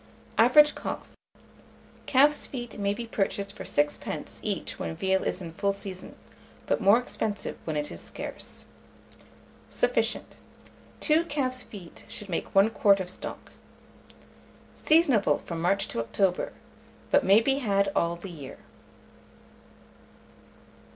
Average cost. Calf's feet may be purchased for 6d. each when veal is in full season, but more expensive when it is scarce. Sufficient. 2 calf's feet should make 1 quart of stock. Seasonable from March to October, but may be had all the year.